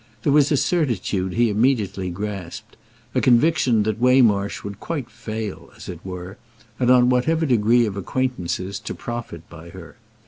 There was a certitude he immediately grasped—a conviction that Waymarsh would quite fail, as it were, and on whatever degree of acquaintances to profit by her.